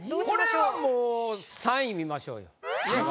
これはもう３位見ましょうよ。